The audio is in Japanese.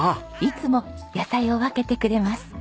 いつも野菜を分けてくれます。